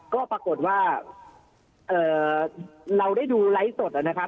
ก็ปรากฏว่าเราได้ดูไลฟ์สดนะครับ